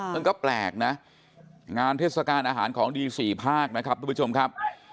มันก็แปลกนะงานเทศกาลอาหารของดี๔ภาคนะครับทุกผู้ชมครับ